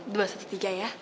dua satu tiga ya